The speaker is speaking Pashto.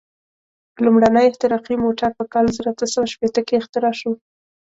لومړنی احتراقي موټر په کال زر اته سوه شپېته کې اختراع شو.